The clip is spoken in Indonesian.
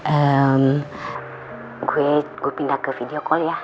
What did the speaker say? ehm gue pindah ke video call ya